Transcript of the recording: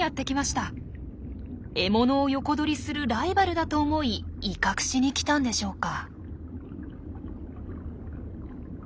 獲物を横取りするライバルだと思い威嚇しに来たんでしょうか。